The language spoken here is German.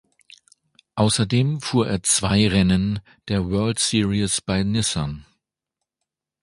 Außerdem fuhr er zwei Rennen in der World Series by Nissan.